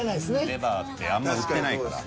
レバーってあんまり売ってないから。